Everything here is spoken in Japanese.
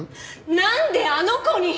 なんであの子に⁉